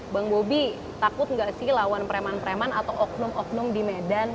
bang bobi takut nggak sih lawan preman preman atau oknum oknum di medan